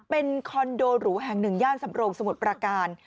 เป็นคอนโดหรูแห่งหนึ่งย่านสำโรงสมุทรประการ